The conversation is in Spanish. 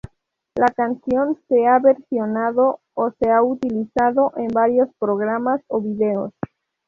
La canción se ha versionado, o se ha utilizado, en varios programas o videos.